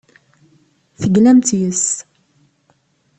Teglamt yes-s.